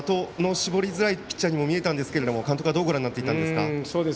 絞りづらいピッチャーにも見えたんですが監督はどうご覧になっていましたか。